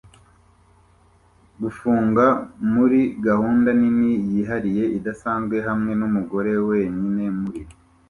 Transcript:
gufunga muri gahunda nini yihariye idasanzwe hamwe numugore wenyine muri